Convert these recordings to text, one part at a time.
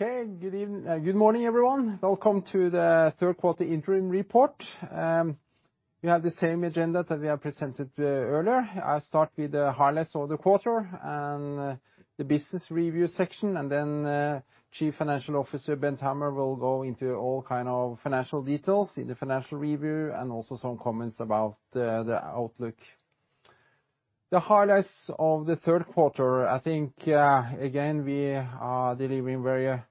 Okay, good evening, good morning, everyone. Welcome to the third quarter interim report. We have the same agenda that we have presented earlier. I'll start with the highlights of the quarter and the business review section, and then Chief Financial Officer Bent Hammer will go into all kinds of financial details in the financial review and also some comments about the outlook. The highlights of the third quarter, I think, again, we are delivering very strong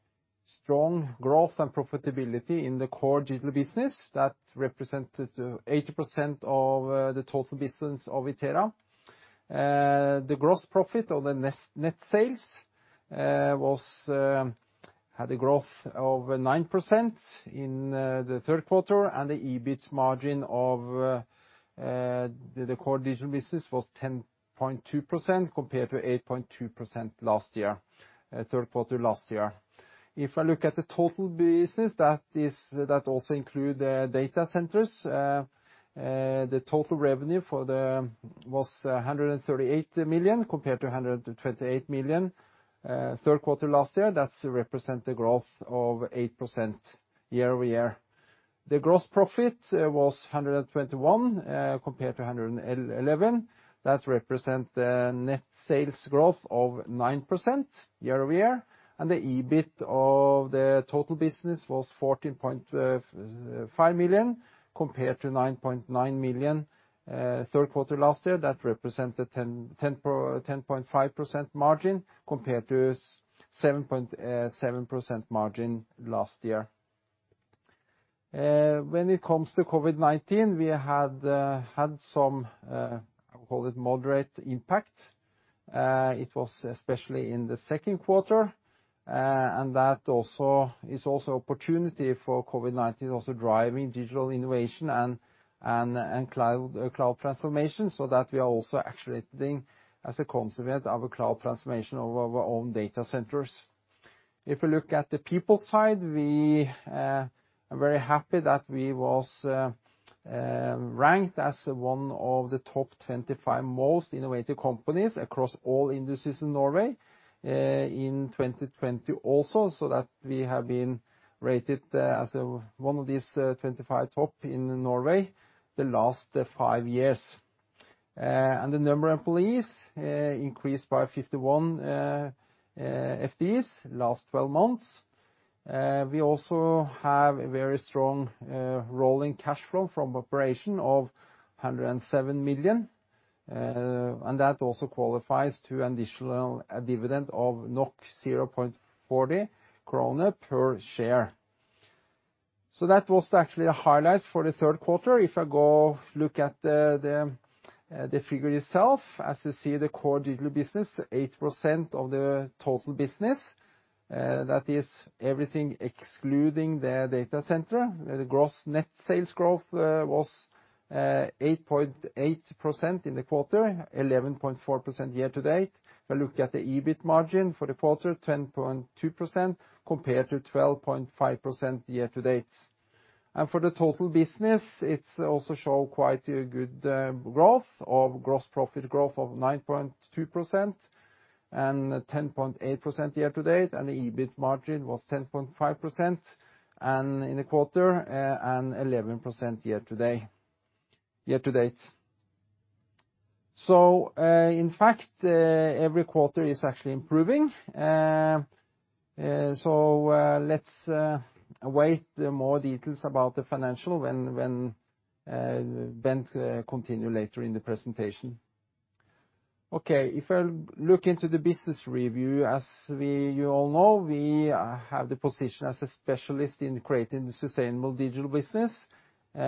growth and profitability in the core digital business that represented 80% of the total business of Itera. The gross profit of the net sales had a growth of 9% in the third quarter, and the EBIT margin of the core digital business was 10.2% compared to 8.2% last year, third quarter last year. If I look at the total business, that is, that also includes the data centers, the total revenue for the quarter was 138 million compared to 128 million, third quarter last year. That's represented growth of 8% year-over-year. The gross profit was 121 million compared to 111 million. That represents the net sales growth of 9% year-over-year, and the EBIT of the total business was 14.5 million compared to 9.9 million, third quarter last year. That represented 10.5% margin compared to 7.7% margin last year. When it comes to COVID-19, we had some, I would call it moderate impact. It was especially in the second quarter, and that also is also opportunity for COVID-19, also driving digital innovation and cloud transformation so that we are also accelerating as a consequence of a cloud transformation of our own data centers. If we look at the people side, we are very happy that we was ranked as one of the top 25 most innovative companies across all industries in Norway in 2020 also, so that we have been rated as one of these 25 top in Norway the last five years, and the number of employees increased by 51 FTEs last 12 months, we also have a very strong rolling cash flow from operation of 107 million, and that also qualifies to an additional dividend of 0.40 krone per share, so that was actually the highlights for the third quarter. If I go look at the figure itself, as you see the core digital business 8% of the total business, that is everything excluding the data center, the gross net sales growth was 8.8% in the quarter, 11.4% year to date. If I look at the EBIT margin for the quarter, 10.2% compared to 12.5% year to date. For the total business, it's also showed quite a good growth of gross profit growth of 9.2% and 10.8% year to date, and the EBIT margin was 10.5% in the quarter, and 11% year to date. Year to date. In fact, every quarter is actually improving. Let's await more details about the financial when Bent continues later in the presentation. Okay, if I look into the business review, as we all know, we have the position as a specialist in creating the sustainable digital business. We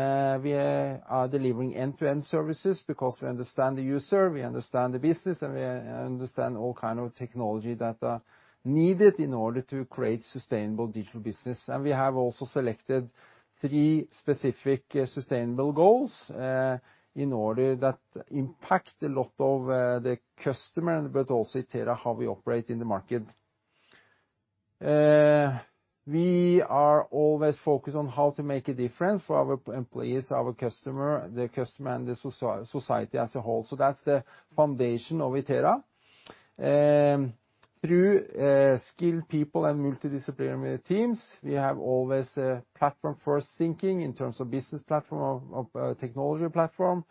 are delivering end-to-end services because we understand the user, we understand the business, and we understand all kinds of technology that are needed in order to create sustainable digital business. We have also selected three specific sustainable goals in order that impact a lot of the customer, but also Itera, how we operate in the market. We are always focused on how to make a difference for our employees, our customer, the customer and the society as a whole. So that's the foundation of Itera. Through skilled people and multidisciplinary teams, we have always a platform-first thinking in terms of business platform of technology platform.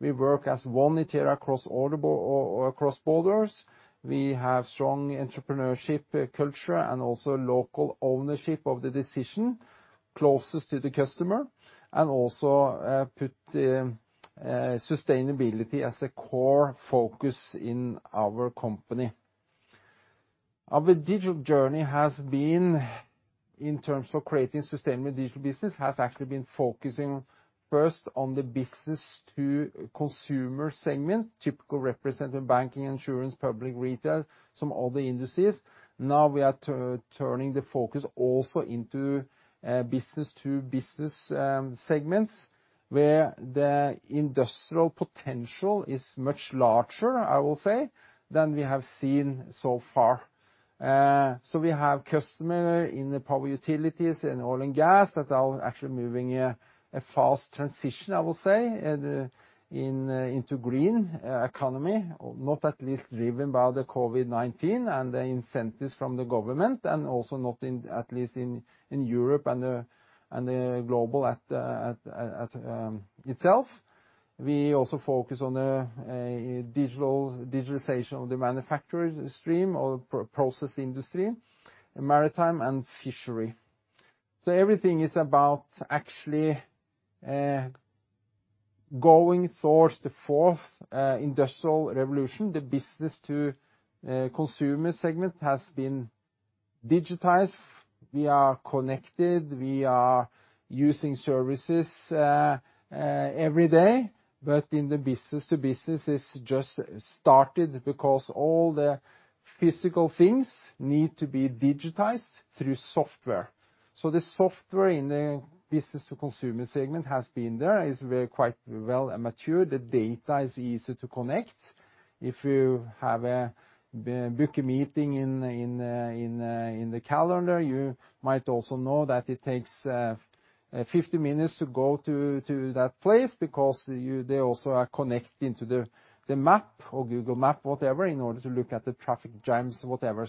We work as One Itera across order or across borders. We have strong entrepreneurship culture and also local ownership of the decision closest to the customer and also put sustainability as a core focus in our company. Our digital journey has been in terms of creating sustainable digital business actually focusing first on the business-to-consumer segment, typical representative banking, insurance, public retail, some other industries. Now we are turning the focus also into business-to-business segments where the industrial potential is much larger, I will say, than we have seen so far. So we have customer in the power utilities and oil and gas that are actually moving a fast transition, I will say, into green economy, not least driven by the COVID-19 and the incentives from the government, and also not least in Europe and the global itself. We also focus on the digitalization of the manufacturing stream or process industry, maritime and fishery. So everything is about actually going towards the Fourth Industrial Revolution. The business-to-consumer segment has been digitized. We are connected. We are using services every day, but in the business-to-business, it's just started because all the physical things need to be digitized through software. The software in the business-to-consumer segment has been there and is quite well matured. The data is easy to connect. If you have to book a meeting in the calendar, you might also know that it takes 50 minutes to go to that place because they also are connecting to the map or Google Maps, whatever, in order to look at the traffic jams, whatever.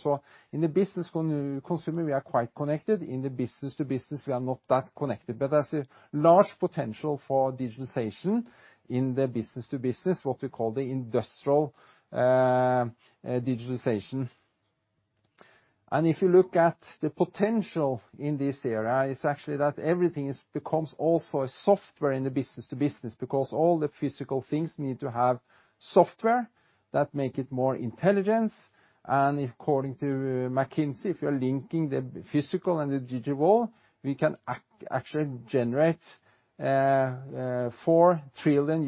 In the business-to-consumer, we are quite connected. In the business-to-business, we are not that connected, but there's a large potential for digitization in the business-to-business, what we call the industrial digitization. If you look at the potential in this area, it's actually that everything becomes also a software in the business-to-business because all the physical things need to have software that make it more intelligent. According to McKinsey, if you're linking the physical and the digital, we can actually generate $4 trillion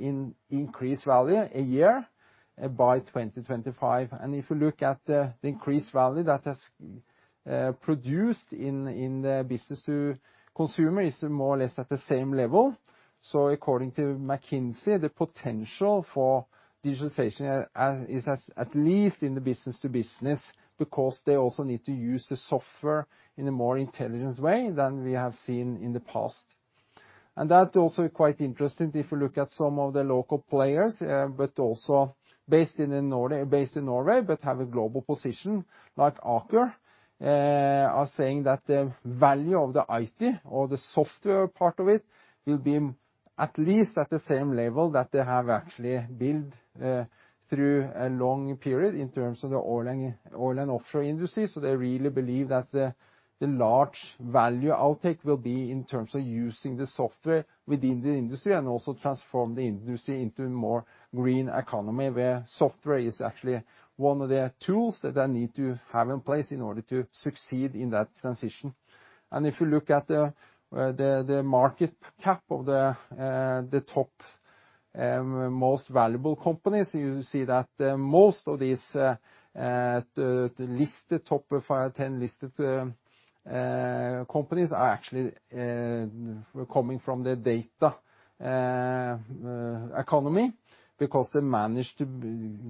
in increased value a year by 2025. If you look at the increased value that has produced in the business-to-consumer, it's more or less at the same level. According to McKinsey, the potential for digitization is at least in the business-to-business because they also need to use the software in a more intelligent way than we have seen in the past. And that's also quite interesting if you look at some of the local players, but also based in Norway but have a global position like Aker, are saying that the value of the IT or the software part of it will be at least at the same level that they have actually built, through a long period in terms of the oil and offshore industry. So they really believe that the large value uptake will be in terms of using the software within the industry and also transform the industry into a more green economy where software is actually one of the tools that they need to have in place in order to succeed in that transition. And if you look at the market cap of the top most valuable companies, you see that most of these listed top 5-10 companies are actually coming from the data economy because they manage to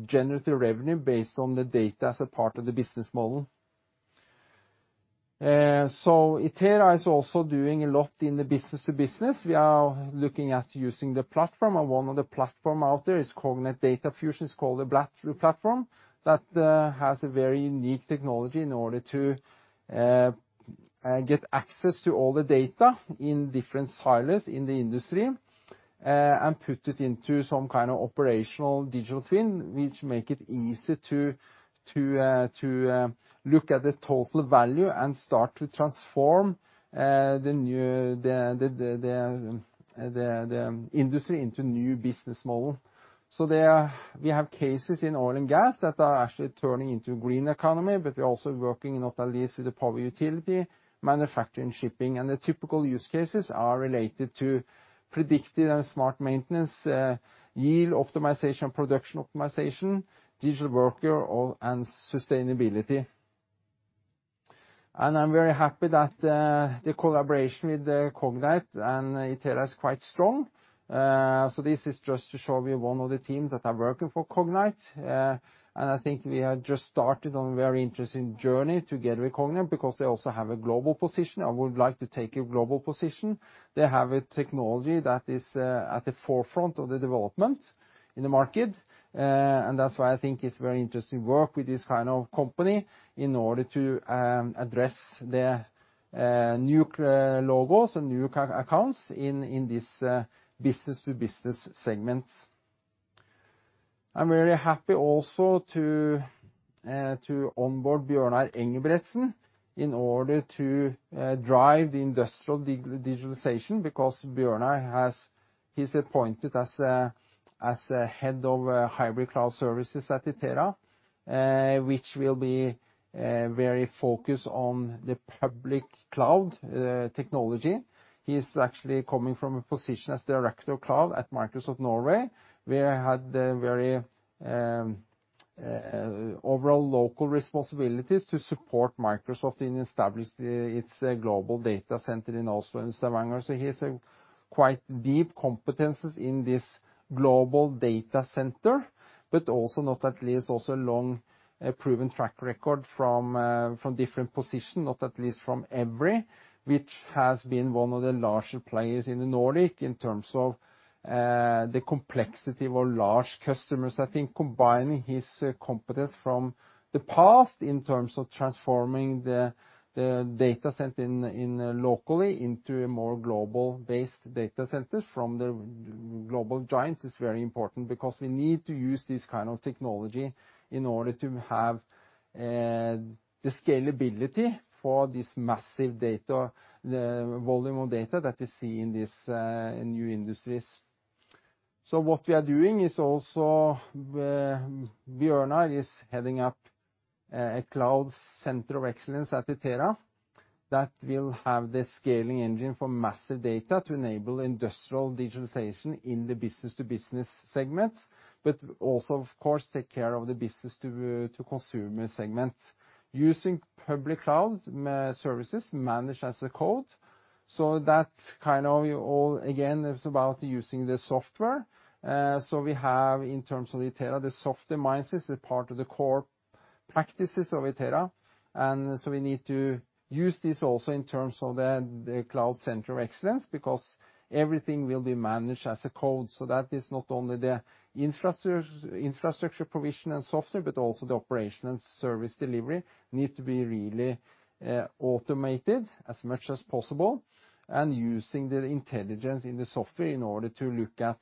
generate the revenue based on the data as a part of the business model. Itera is also doing a lot in the business-to-business. We are looking at using the platform, and one of the platforms out there is Cognite Data Fusion. It's called a [inaudible] platform that has a very unique technology in order to get access to all the data in different silos in the industry, and put it into some kind of operational digital twin, which makes it easy to look at the total value and start to transform the industry into a new business model. So there we have cases in oil and gas that are actually turning into a green economy, but we're also working not least with the power, utility, manufacturing, shipping, and the typical use cases are related to predicting and smart maintenance, yield optimization, production optimization, digital worker, and sustainability, and I'm very happy that the collaboration with Cognite and Itera is quite strong. So this is just to show you one of the teams that are working for Cognite, and I think we have just started on a very interesting journey together with Cognite because they also have a global position. I would like to take a global position. They have a technology that is at the forefront of the development in the market, and that's why I think it's very interesting to work with this kind of company in order to address the new logos and new accounts in this business-to-business segments. I'm really happy also to onboard Bjørnar Engebretsen in order to drive the industrial digitalization because Bjørnar, he's appointed as head of hybrid cloud services at Itera, which will be very focused on the public cloud technology. He's actually coming from a position as director of cloud at Microsoft Norway, where he had very overall local responsibilities to support Microsoft in establishing its global data center in Oslo and Stavanger. He has quite deep competencies in this global data center, but also, not least, a long proven track record from different positions, not least from Evry, which has been one of the larger players in the Nordic in terms of the complexity of a large customer setting. Combining his competence from the past in terms of transforming the data center locally into a more global-based data center from the global giants is very important because we need to use this kind of technology in order to have the scalability for this massive volume of data that we see in these new industries. So what we are doing is also, Bjørnar is heading up a Cloud Center of Excellence at Itera that will have the scaling engine for massive data to enable industrial digitalization in the business-to-business segments, but also, of course, take care of the business-to-consumer segment using public cloud services managed as a code. So that kind of all, again, it's about using the software. So we have in terms of Itera, the software mindset is a part of the core practices of Itera, and so we need to use this also in terms of the Cloud Center of Excellence because everything will be managed as a code. So that is not only the infrastructure, infrastructure provision and software, but also the operation and service delivery need to be really automated as much as possible and using the intelligence in the software in order to look at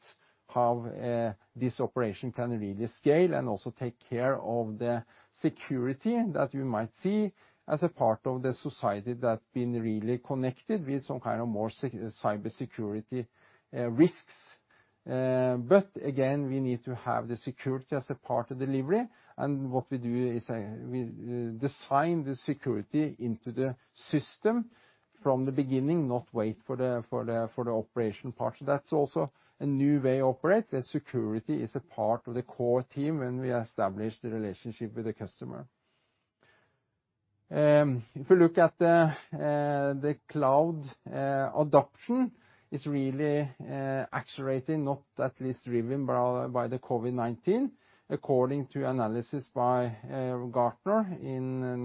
how this operation can really scale and also take care of the security that you might see as a part of the society that's been really connected with some kind of more cybersecurity risks. But again, we need to have the security as a part of delivery, and what we do is we design the security into the system from the beginning, not wait for the operation part. So that's also a new way to operate. The security is a part of the core team when we establish the relationship with the customer. If we look at the cloud adoption is really accelerating, not least driven by the COVID-19. According to analysis by Gartner in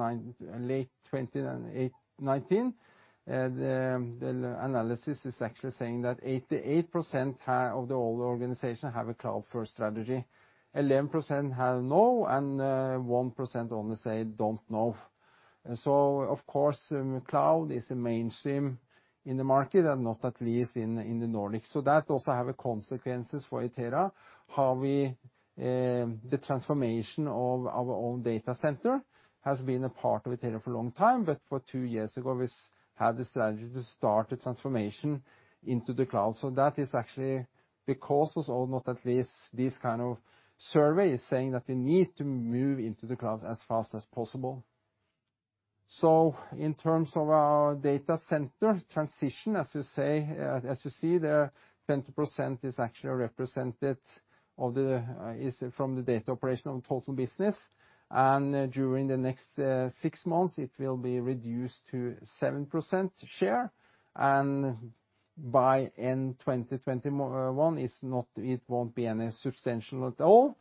late 2019, the analysis is actually saying that 88% of all organizations have a cloud first strategy. 11% have no and 1% only say don't know. So of course cloud is mainstream in the market and not least in the Nordic. So that also has consequences for Itera. Now the transformation of our own data center has been a part of Itera for a long time, but two years ago we had the strategy to start the transformation into the cloud. So that is actually because of, or not least this kind of survey is saying that we need to move into the cloud as fast as possible. So in terms of our data center transition, as you say, as you see, the 20% is actually represented of the, is from the data operation of total business, and during the next six months, it will be reduced to 7% share, and by end 2021, it's not, it won't be any substantial at all,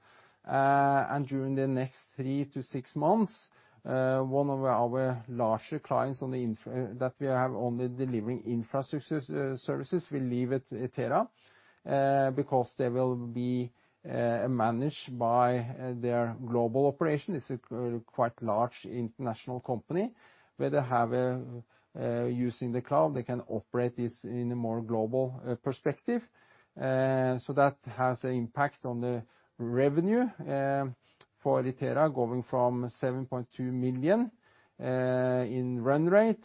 and during the next three to six months, one of our larger clients in the infra that we have only delivering infrastructure services will leave Itera because they will be managed by their global operation. It's a quite large international company where they have, by using the cloud, they can operate this in a more global perspective. So that has an impact on the revenue for Itera going from 7.2 million in run rate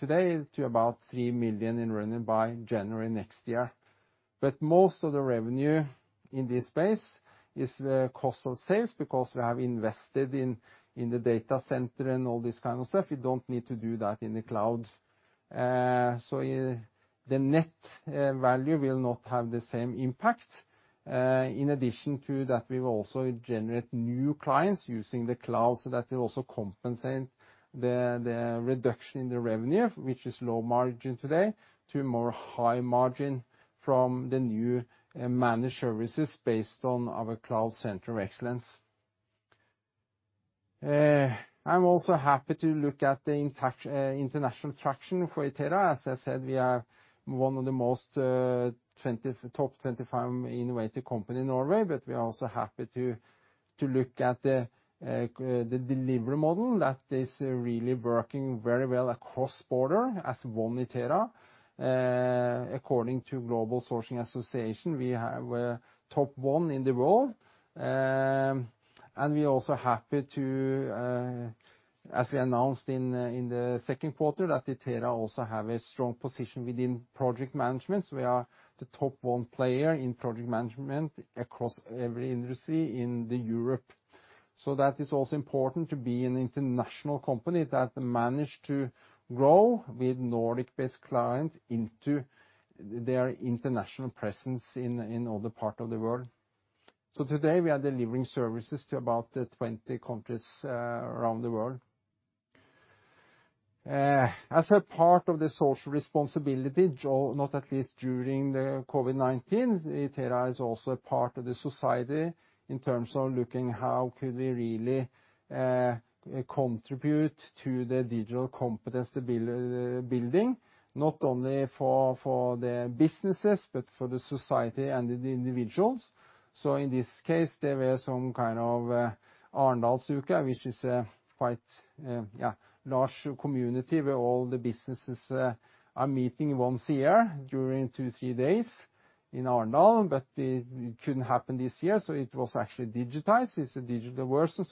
today to about 3 million in run rate by January next year. But most of the revenue in this space is the cost of sales because we have invested in the data center and all this kind of stuff. We don't need to do that in the cloud. So the net value will not have the same impact. In addition to that, we will also generate new clients using the cloud. So that will also compensate the reduction in the revenue, which is low margin today, to more high margin from the new managed services based on our Cloud Center of Excellence. I'm also happy to look at the international traction for Itera. As I said, we have one of the most, top 25 innovative companies in Norway, but we are also happy to look at the delivery model that is really working very well across borders as One Itera. According to Global Sourcing Association, we have a top one in the world, and we are also happy to, as we announced in the second quarter, that Itera also have a strong position within project management, so we are the top one player in project management across every industry in Europe, so that is also important to be an international company that managed to grow with Nordic-based clients into their international presence in other parts of the world, so today we are delivering services to about 20 countries around the world. As a part of the social responsibility, not least during the COVID-19, Itera is also a part of the society in terms of looking how could we really contribute to the digital competence building, not only for the businesses, but for the society and the individuals. So in this case, there were some kind of Arendalsuka, which is a quite large community where all the businesses are meeting once a year during two, three days in Arendal, but it couldn't happen this year, so it was actually digitized. It's a digital version,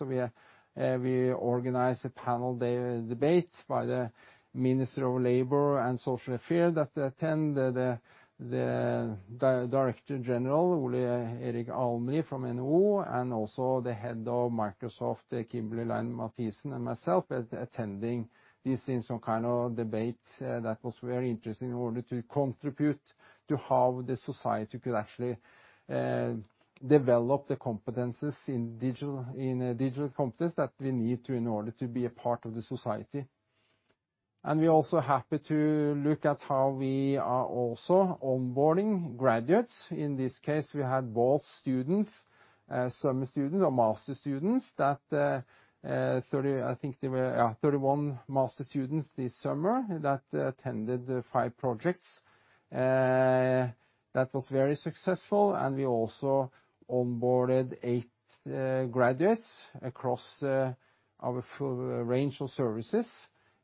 so we organized a panel debate by the Minister of Labor and Social Affairs that attended, the Director General, Ole Erik Almlid from NHO, and also the head of Microsoft, Kimberly Lein-Mathisen, and myself attending this in some kind of debate that was very interesting in order to contribute to how the society could actually develop the competences in digital competence that we need to in order to be a part of the society, and we are also happy to look at how we are also onboarding graduates. In this case, we had both students, summer students or master students that, 30, I think they were, yeah, 31 master students this summer that attended five projects. That was very successful, and we also onboarded eight graduates across our range of services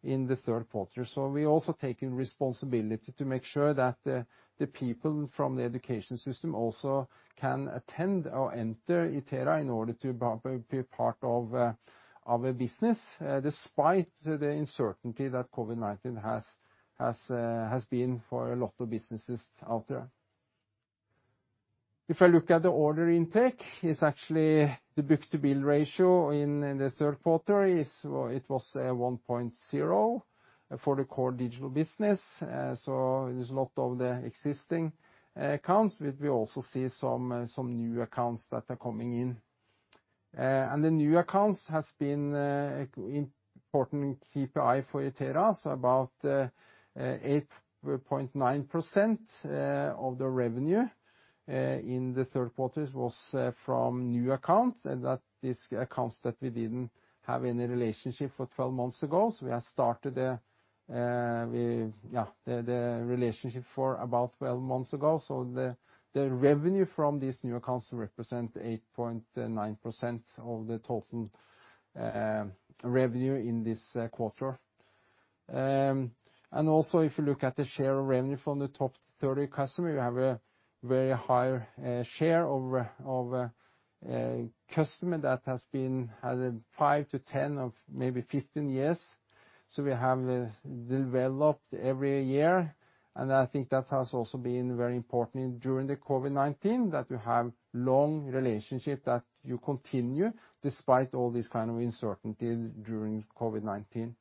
in the third quarter. So we also take responsibility to make sure that the people from the education system also can attend or enter Itera in order to be part of a business, despite the uncertainty that COVID-19 has been for a lot of businesses out there. If I look at the order intake, it's actually the book-to-bill ratio in the third quarter. It was a 1.0 for the core digital business, so there's a lot of the existing accounts, but we also see some new accounts that are coming in, and the new accounts have been important KPI for Itera. About 8.9% of the revenue in the third quarter was from new accounts and that these accounts that we didn't have any relationship for 12 months ago. We have started the relationship for about 12 months ago. The revenue from these new accounts represent 8.9% of the total revenue in this quarter. Also if you look at the share of revenue from the top 30 customers, we have a very high share of customers that has been had a 5 to 10 of maybe 15 years. We have developed every year. I think that has also been very important during the COVID-19 that you have long relationship that you continue despite all these kind of uncertainty during COVID-19.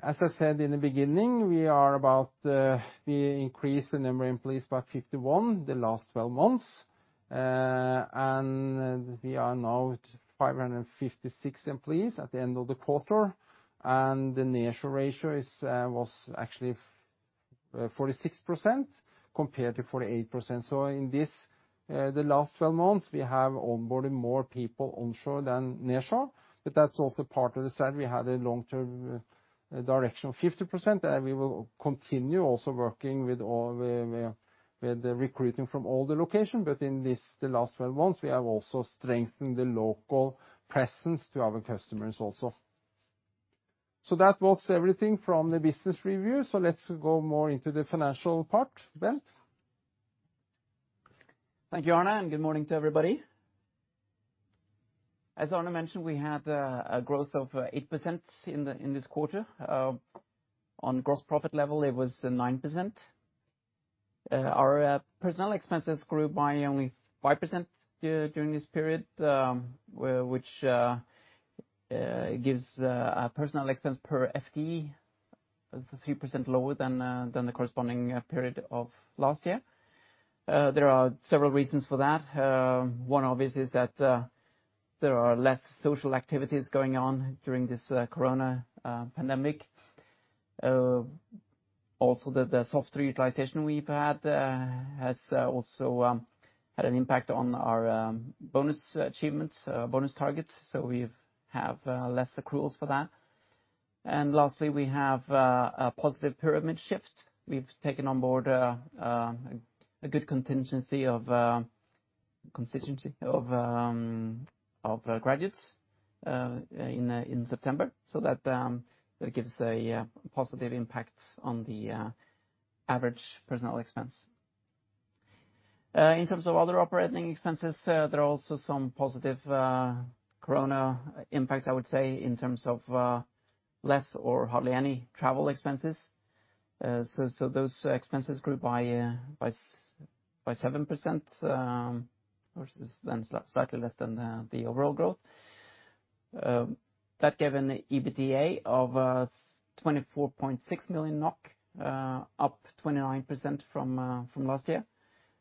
As I said in the beginning, we are about. We increased the number of employees by 51 the last 12 months. We are now 556 employees at the end of the quarter. The nearshore ratio is, was actually, 46% compared to 48%. In this, the last 12 months, we have onboarded more people onshore than nearshore. But that's also part of the strategy. We had a long-term direction of 50% and we will continue also working with the recruiting from all the locations. In this, the last 12 months, we have also strengthened the local presence to our customers also. That was everything from the business review. Let's go more into the financial part, Bent? Thank you, Arne. Good morning to everybody. As Arne mentioned, we had a growth of 8% in this quarter. On gross profit level, it was 9%. Our personnel expenses grew by only 5% during this period, which gives a personnel expense per FTE 3% lower than the corresponding period of last year. There are several reasons for that. One obvious is that there are less social activities going on during this corona pandemic. Also that the software utilization we've had has also had an impact on our bonus achievements, bonus targets. So we've had less accruals for that, and lastly, we have a positive pyramid shift. We've taken on board a good contingency of graduates in September. So that gives a positive impact on the average personnel expense. In terms of other operating expenses, there are also some positive corona impacts, I would say, in terms of less or hardly any travel expenses. So those expenses grew by 7%, or then slightly less than the overall growth. That gave an EBITDA of 24.6 million NOK, up 29% from last year.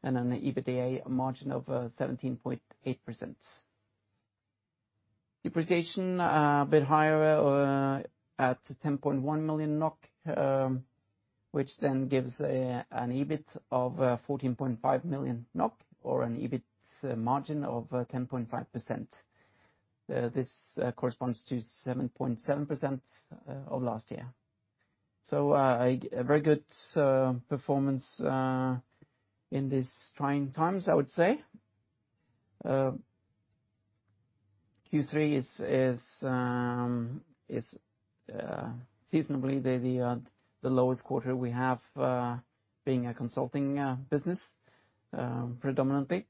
Then the EBITDA margin was 17.8%. Depreciation was a bit higher, at 10.1 million NOK, which then gives an EBIT of 14.5 million NOK or an EBIT margin of 10.5%. This corresponds to 7.7% of last year. It was a very good performance in these trying times, I would say, Q3 is seasonally the lowest quarter we have, being a consulting business predominantly,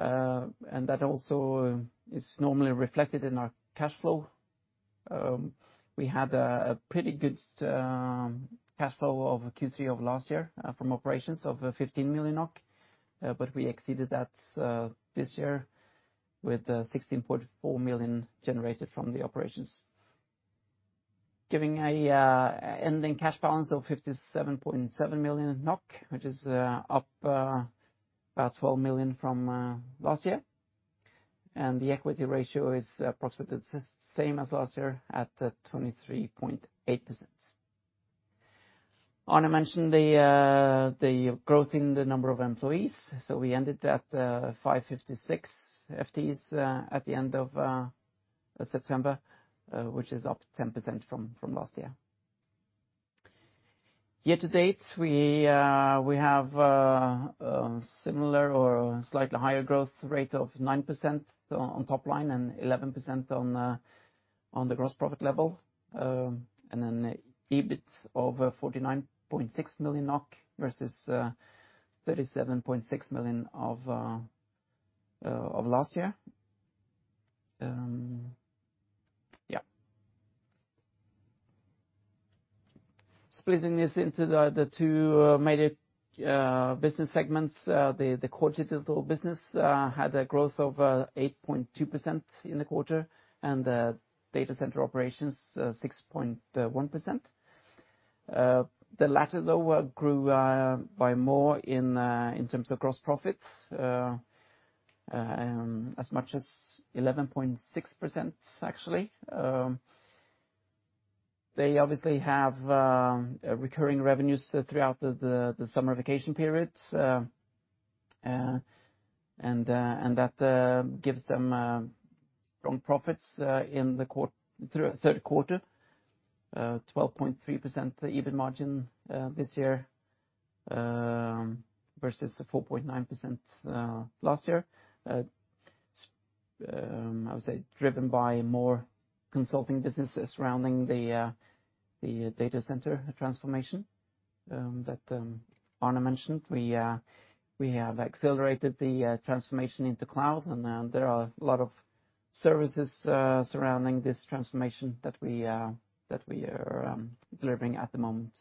and that also is normally reflected in our cash flow. We had a pretty good cash flow of Q3 of last year from operations of 15 million NOK, but we exceeded that this year with 16.4 million generated from the operations. Giving an ending cash balance of 57.7 million NOK, which is up about 12 million from last year. The equity ratio is approximately the same as last year at 23.8%. Arne mentioned the growth in the number of employees. We ended at 556 FTEs at the end of September, which is up 10% from last year. Year to date, we have similar or slightly higher growth rate of 9% on top line and 11% on the gross profit level. EBIT of 49.6 million NOK versus 37.6 million of last year. Splitting this into the two major business segments, the digital business had a growth of 8.2% in the quarter and data center operations 6.1%. The latter though grew by more in terms of gross profit, as much as 11.6% actually. They obviously have recurring revenues throughout the summer vacation periods, and that gives them strong profits in the third quarter, 12.3% EBIT margin this year versus 4.9% last year. I would say driven by more consulting businesses surrounding the data center transformation that Arne mentioned. We have accelerated the transformation into cloud, and there are a lot of services surrounding this transformation that we are delivering at the moment.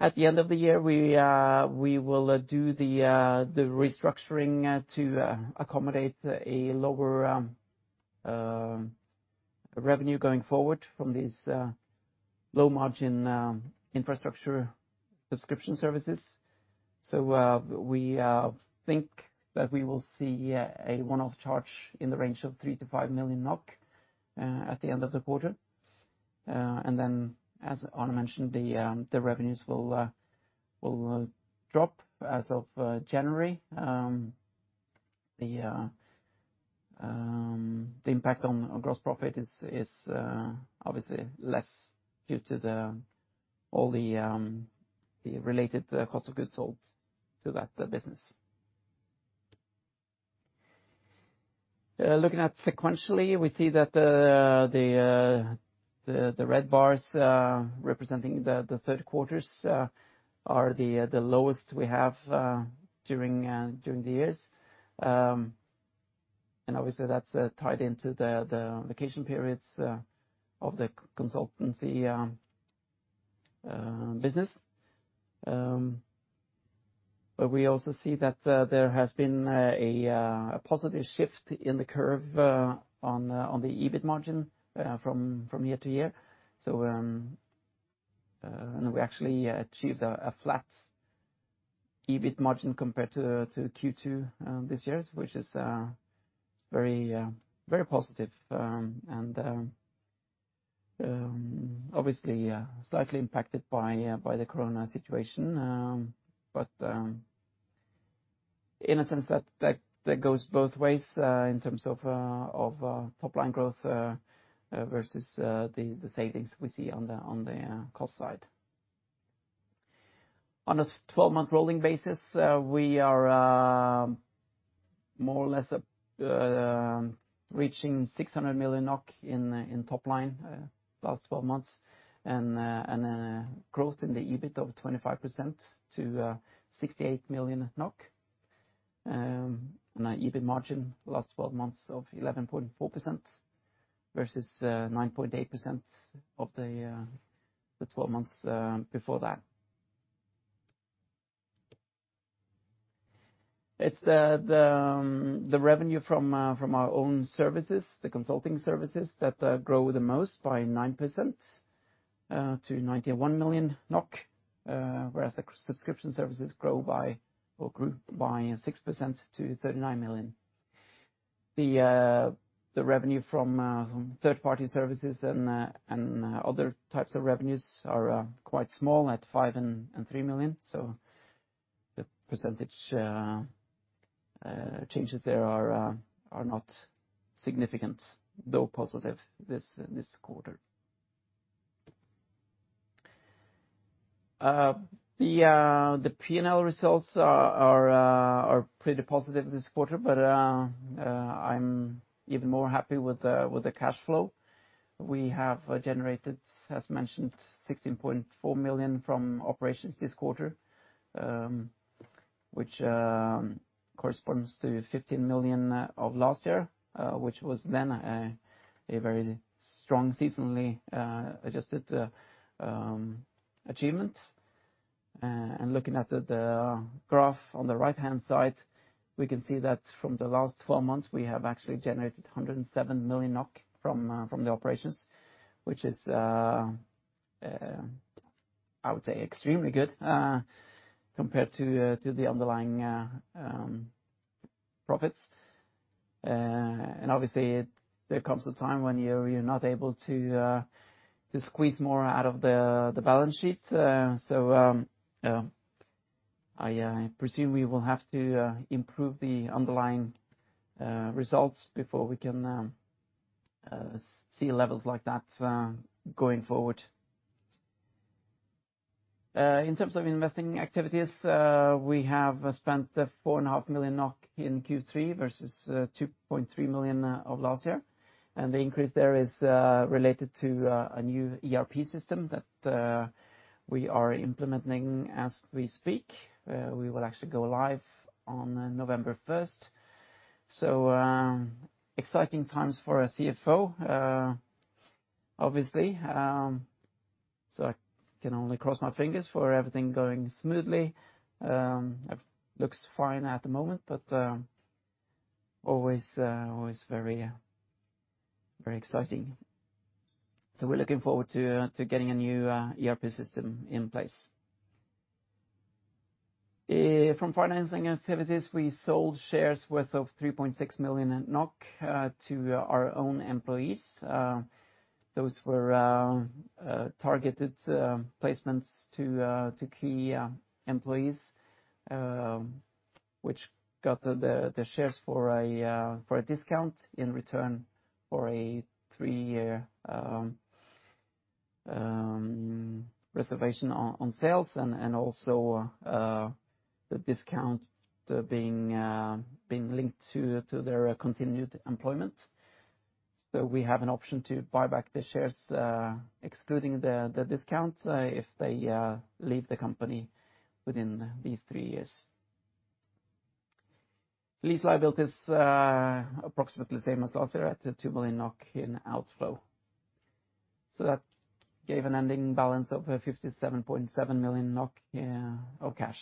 At the end of the year, we will do the restructuring to accommodate lower revenue going forward from these low margin infrastructure subscription services, so we think that we will see a one-off charge in the range of 3-5 million NOK at the end of the quarter, and then, as Arne mentioned, the revenues will drop as of January. The impact on gross profit is obviously less due to all the related cost of goods sold to that business. Looking at sequentially, we see that the red bars, representing the third quarters, are the lowest we have during the years, and obviously that's tied into the vacation periods of the consultancy business. But we also see that there has been a positive shift in the curve on the EBIT margin from year to year. So and we actually achieved a flat EBIT margin compared to Q2 this year, which is very positive, and obviously slightly impacted by the corona situation. But in a sense that goes both ways in terms of top line growth versus the savings we see on the cost side. On a 12-month rolling basis, we are more or less reaching 600 million NOK in top line last 12 months and growth in the EBIT of 25% to 68 million NOK, and an EBIT margin last 12 months of 11.4% versus 9.8% of the 12 months before that. It's the revenue from our own services, the consulting services that grow the most by 9% to 91 million NOK, whereas the subscription services grow by or grew by 6% to 39 million. The revenue from third-party services and other types of revenues are quite small at 5 million and 3 million. So the percentage changes there are not significant, though positive this quarter. The P&L results are pretty positive this quarter, but I'm even more happy with the cash flow. We have generated, as mentioned, 16.4 million from operations this quarter, which corresponds to 15 million of last year, which was then a very strong seasonally adjusted achievement. Looking at the graph on the right-hand side, we can see that from the last 12 months, we have actually generated 107 million NOK from the operations, which is, I would say, extremely good compared to the underlying profits. Obviously, there comes a time when you're not able to squeeze more out of the balance sheet. I presume we will have to improve the underlying results before we can see levels like that going forward. In terms of investing activities, we have spent 4.5 million NOK in Q3 versus 2.3 million of last year. The increase there is related to a new ERP system that we are implementing as we speak. We will actually go live on November 1st. So, exciting times for a CFO, obviously. So I can only cross my fingers for everything going smoothly. It looks fine at the moment, but always, always very, very exciting. So we're looking forward to getting a new ERP system in place. From financing activities, we sold shares worth of 3.6 million to our own employees. Those were targeted placements to key employees, which got the shares for a discount in return for a three-year reservation on sales and also the discount being linked to their continued employment. So we have an option to buy back the shares, excluding the discount, if they leave the company within these three years. Lease liabilities, approximately the same as last year at 2 million NOK in outflow. That gave an ending balance of 57.7 million NOK in cash.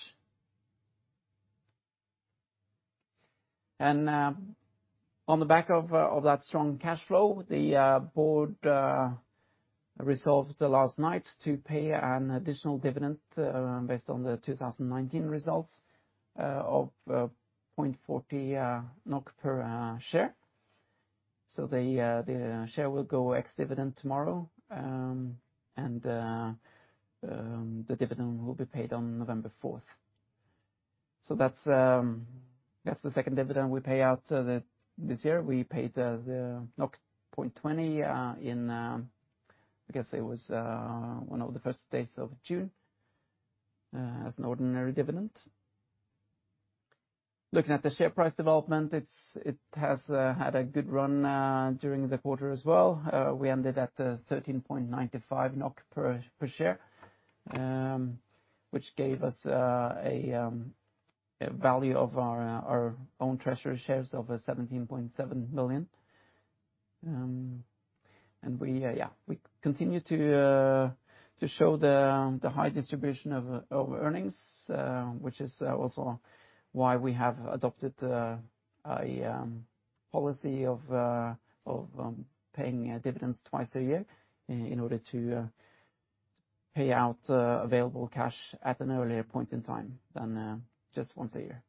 On the back of that strong cash flow, the board resolved last night to pay an additional dividend, based on the 2019 results, of 0.40 NOK per share. The share will go ex-dividend tomorrow, and the dividend will be paid on November 4th. That's the second dividend we pay out this year. We paid the 0.20 in, I guess it was, one of the first days of June, as an ordinary dividend. Looking at the share price development, it has had a good run during the quarter as well. We ended 13.95 NOK per share, which gave us a value of our own treasury shares of 17.7 million. And we, yeah, we continue to show the high distribution of earnings, which is also why we have adopted a policy of paying dividends twice a year in order to pay out available cash at an earlier point in time than just once a year.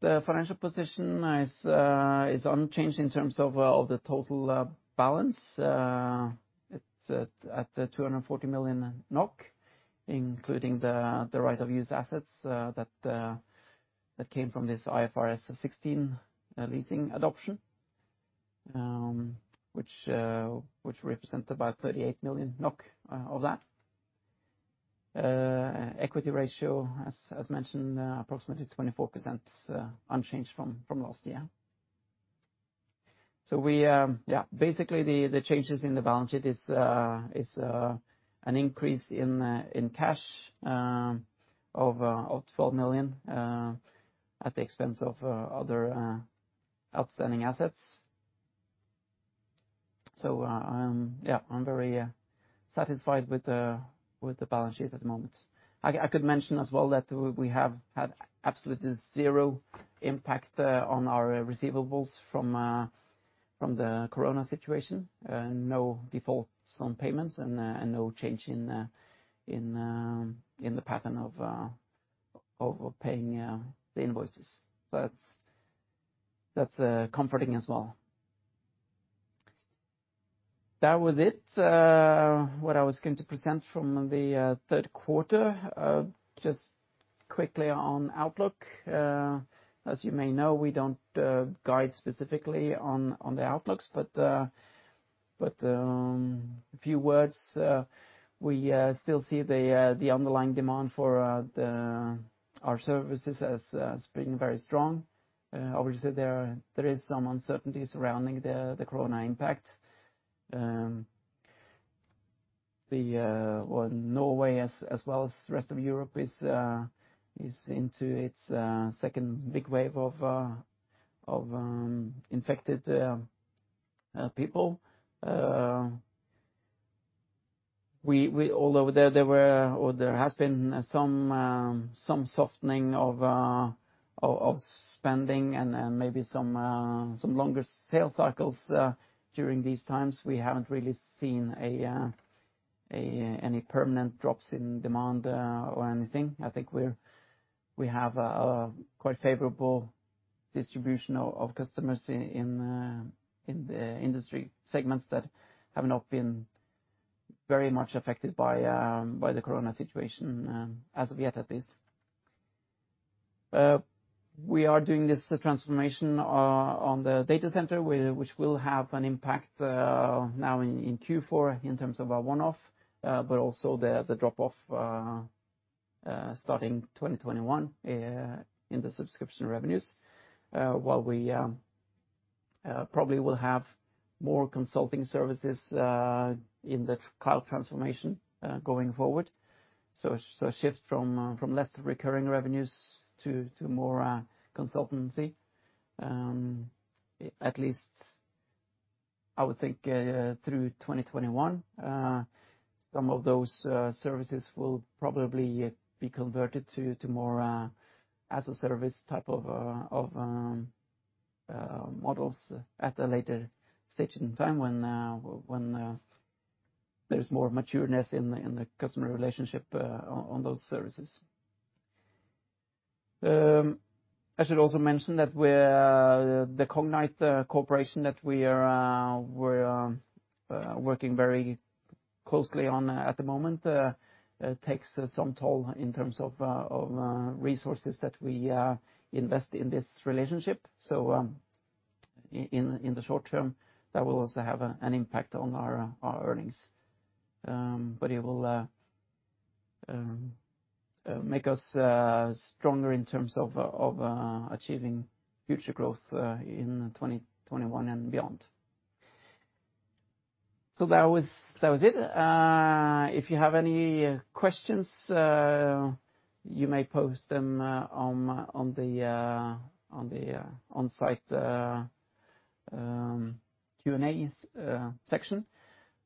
The financial position is unchanged in terms of the total balance. It's at 240 million NOK, including the right of use assets that came from this IFRS 16 leasing adoption, which represents about 38 million NOK of that. Equity ratio, as mentioned, approximately 24%, unchanged from last year. So we, yeah, basically the changes in the balance sheet is an increase in cash of 12 million at the expense of other outstanding assets. So, I'm, yeah, I'm very satisfied with the balance sheet at the moment. I could mention as well that we have had absolutely zero impact on our receivables from the corona situation. No defaults on payments and no change in the pattern of paying the invoices, so that's comforting as well. That was it, what I was going to present from the third quarter. Just quickly on outlook, as you may know, we don't guide specifically on the outlooks, but a few words, we still see the underlying demand for our services as being very strong. Obviously there is some uncertainty surrounding the corona impact, well, Norway as well as the rest of Europe is into its second big wave of infected people. Although there were, or there has been some softening of spending and maybe some longer sales cycles during these times. We haven't really seen any permanent drops in demand, or anything. I think we have a quite favorable distribution of customers in the industry segments that have not been very much affected by the corona situation, as of yet at least. We are doing this transformation on the data center, which will have an impact now in Q4 in terms of our one-off, but also the drop off starting 2021 in the subscription revenues, while we probably will have more consulting services in the cloud transformation going forward. So a shift from less recurring revenues to more consultancy. At least I would think, through 2021, some of those services will probably be converted to more as-a-service type of models at a later stage in time when there's more matureness in the customer relationship, on those services. I should also mention that the Cognite Corporation that we are working very closely on at the moment takes some toll in terms of resources that we invest in this relationship. So, in the short term, that will also have an impact on our earnings. But it will make us stronger in terms of achieving future growth in 2021 and beyond. So that was it. If you have any questions, you may post them on the on-site Q&A section.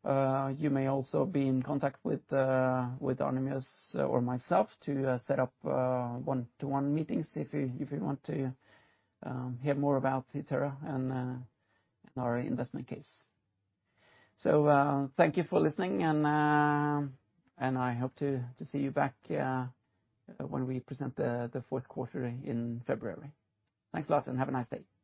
You may also be in contact with Arne or myself to set up one-to-one meetings if you want to hear more about Itera and our investment case. So, thank you for listening and I hope to see you back when we present the fourth quarter in February. Thanks a lot and have a nice day.